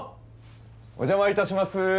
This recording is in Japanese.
お邪魔致します。